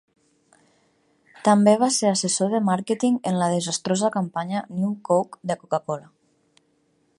També va ser assessor de màrqueting en la desastrosa campanya New Coke de Coca-Cola.